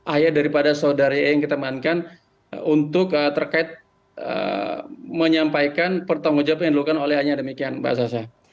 ayah daripada saudari e yang kita mainkan untuk terkait menyampaikan pertanggung jawaban yang dilakukan oleh hanya demikian mbak sasa